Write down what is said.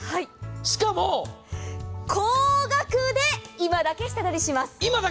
しかも高額で今だけ下取りします。